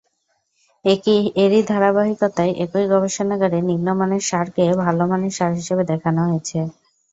এরই ধারাবাহিকতায় একই গবেষণাগারে নিম্নমানের সারকে ভালো মানের সার হিসেবে দেখানো হয়েছে।